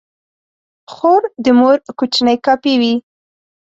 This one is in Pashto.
خور د مور کوچنۍ کاپي وي.